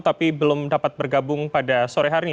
tapi belum dapat bergabung pada sore hari ini